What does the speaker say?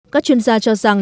các chuyên gia cho rằng